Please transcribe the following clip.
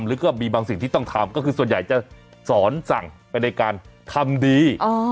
หรือก็มีบางสิ่งที่ต้องทำก็คือส่วนใหญ่จะสอนสั่งไปในการทำดี